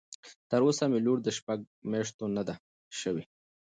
تر اوسه مې لور د شپږ مياشتو نه ده شوى.